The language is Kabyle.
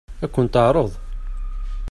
Ad kent-t-teɛṛeḍ?